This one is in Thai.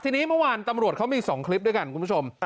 ทีนี้เมื่อวานตำรวจเขามี๒คลิปด้วยกันคุณผู้ชม